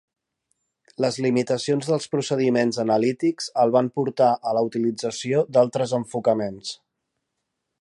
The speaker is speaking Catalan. Les limitacions dels procediments analítics el van portar a la utilització d'altres enfocaments.